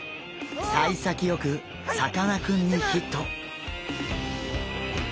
さい先よくさかなクンにヒット！